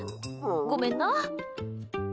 ごめんな！